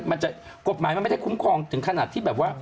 มันจะกฎหมายมันไม่ได้คุ้มครองถึงขนาดที่แบบว่า